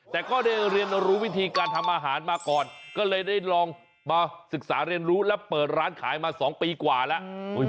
แต่ก็ได้เรียนรู้วิธีการทำอาหารมาก่อนก็เลยได้ลองมาศึกษาเรียนรู้และเปิดร้านขายมา๒ปีกว่าแล้ว